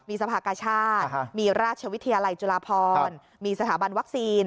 มีสภากชาติมีราชวิทยาลัยจุฬาพรมีสถาบันวัคซีน